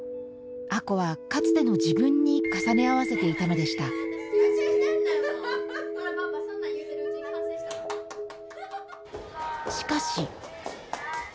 亜子はかつての自分に重ね合わせていたのでしたしかし。